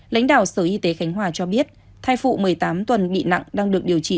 lãnh đạo sở y tế khánh hòa cho biết thai phụ một mươi tám tuần bị nặng đang được điều trị